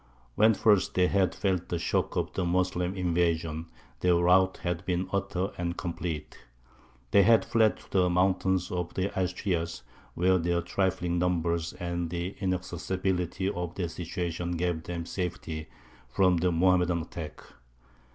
When first they had felt the shock of the Moslem invasion, their rout had been utter and complete. They had fled to the mountains of the Asturias, where their trifling numbers and the inaccessibility of their situation gave them safety from the Mohammedan attack.